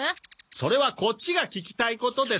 それはこっちが聞きたいことです。